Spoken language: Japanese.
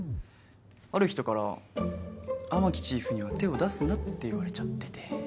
ある人から雨樹チーフには手を出すなって言われちゃってて。